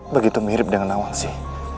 begitu mirip dengan nawang esim